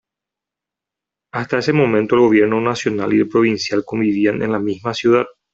Hasta ese momento el gobierno nacional y el provincial convivían en la misma ciudad.